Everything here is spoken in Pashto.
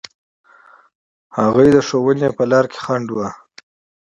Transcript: هغوی د ښوونې په لاره خنډ و.